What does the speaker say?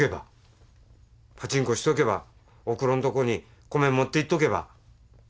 パチンコしとけばおふくろんとこに米持って行っとけば。